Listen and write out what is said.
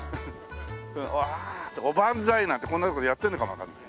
おばんざいなんてこんな所でやってるのかもわかんない。